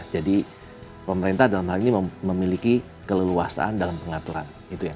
jadi pemerintah dalam hal ini memiliki keleluasan dalam pengaturan